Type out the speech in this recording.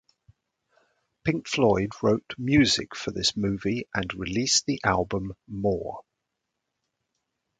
Pink Floyd wrote music for this movie and released the album, "More".